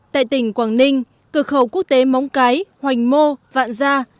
tại tỉnh quảng ninh cửa khẩu quốc tế móng cái hoành mô vạn gia